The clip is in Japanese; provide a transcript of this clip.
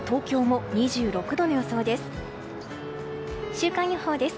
週間予報です。